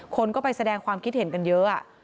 คนก็ไปแสดงความคิดเห็นกันเยอะ